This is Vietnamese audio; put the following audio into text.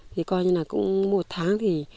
thì coi như là cũng một tháng thì